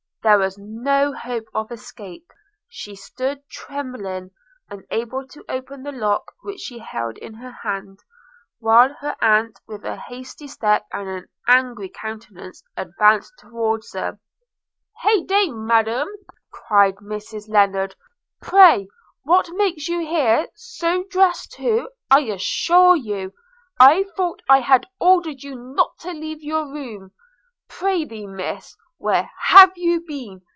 There was no hope of escape – She stood trembling, unable to open the lock, which she held in her hand; while her aunt with a hasty step and an angry countenance advanced towards her – 'Hey day, Madam!' cried Mrs Lennard, 'pray, what makes you here? so dressed too, I assure you! I thought I had ordered you not to leave your room. Pr'ythee, Miss, where have you been?